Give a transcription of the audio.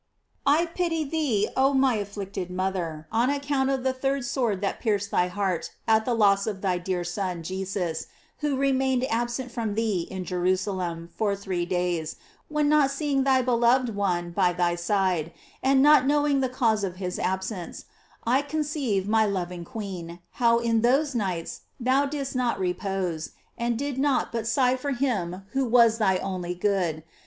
— I pity thee, oh my afflicted mother, on account of the third sword that pierc ed thy heart at the loss of thy dear son, Jesus, who remained absent from thee in Jerusalem for three days, when not seeing thy beloved one by thy side, and not knowing the cause of his absence, I conceive, my loving queen, how in these nights thou didst not repose, and didst naught but sigh for him who was thy only good.